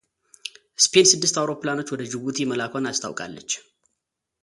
ስፔን ስድስት አውሮፕላኖች ወደ ጂቡቲ መላኳን አስታውቃለች።